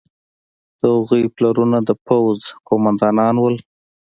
د هغوی پلرونه د پوځ قوماندانان وو.